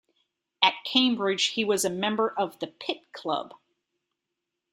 At Cambridge he was a member of the Pitt Club.